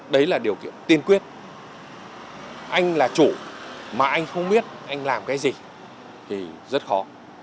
đấy là điều kiện tiên quyết anh là chủ mà anh không biết anh làm cái gì thì rất khó